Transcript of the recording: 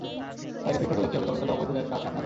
বাইরে ফিটফাট হলে কী হবে, তলে তলে অবৈধ ব্যবসা আছে আপনারও।